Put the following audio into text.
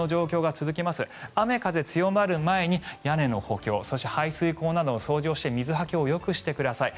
雨、風強まる前に屋根の補強排水溝の掃除などをして水はけを浴してください。